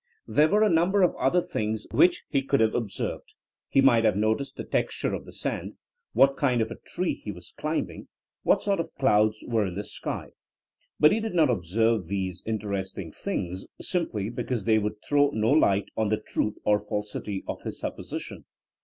There were a number of other things which he could have observed. He might have noticed the texture of the sand, what kind of a tree he was climbing, what sort of clouds were in the sky. But he did not observe these inter esting things simply because they would throw no light on the truth or falsity of his supposi tion.